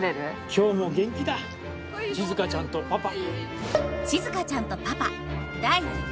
今日も元気だ静ちゃんとパパ。